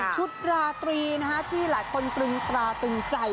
ชุดตราตรีที่หลายคนตรงใจ